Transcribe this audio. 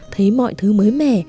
thấy mọi thứ mới mẻ